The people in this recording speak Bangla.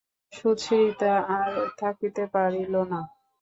সুচরিতা আর থাকিতে পারিল না।